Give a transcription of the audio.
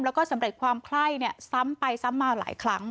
แล้วก็สำเร็จความไข้ซ้ำไปซ้ำมาหลายครั้ง